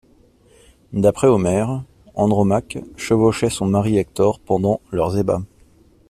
D'après Homère, Andromaque chevauchait son mari Hector pendant leurs ébats.